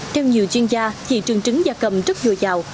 theo nhiều chuyên gia thị trường trứng da cầm rất vừa giàu